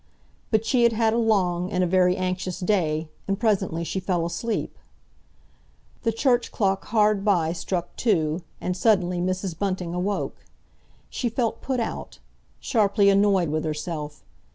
But she had had a long and a very anxious day, and presently she fell asleep. The church clock hard by struck two, and, suddenly Mrs. Bunting awoke. She felt put out, sharply annoyed with herself.